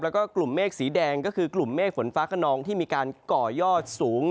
แล้วก็กลุ่มเมฆสีแดงก็คือกลุ่มเมฆฝนฟ้าขนองที่มีการก่อยอดสูง